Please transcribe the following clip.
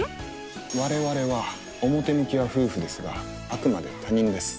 我々は表向きは夫婦ですがあくまで他人です